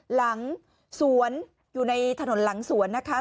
หลังสวนอยู่ในถนนหลังสวนนะคะ